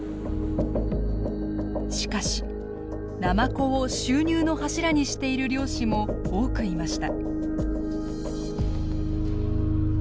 しかしナマコを収入の柱にしている漁師も多くいました。